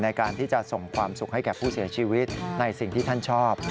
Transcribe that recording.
ในการที่จะส่งความสุขให้แก่ผู้เสียชีวิตในสิ่งที่ท่านชอบ